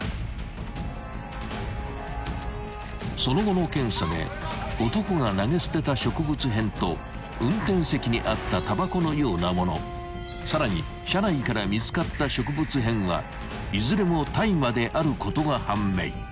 ［その後の検査で男が投げ捨てた植物片と運転席にあったタバコのような物さらに車内から見つかった植物片はいずれも大麻であることが判明］